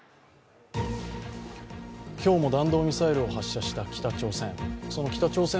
今日も弾道ミサイルを発射した北朝鮮。